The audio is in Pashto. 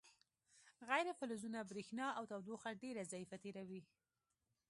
غیر فلزونه برېښنا او تودوخه ډیره ضعیفه تیروي.